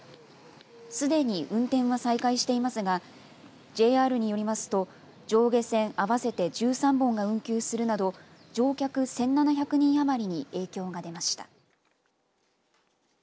すでに運転は再開していますがＪＲによりますと上下線合わせて１３本が運休するなど乗客１７００人余りに影響が出ました。